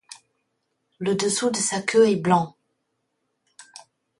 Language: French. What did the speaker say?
Le dessous de sa queue est blanc.